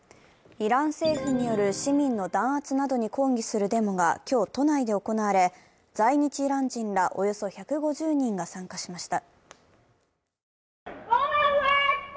イラン政府による市民の弾圧などに抗議するデモが今日、都内で行われ、在日イラン人らおよそ１５０人が参加しました。